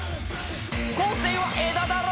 昴生は枝だろ